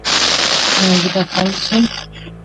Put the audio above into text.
ایا زه به فلج شم؟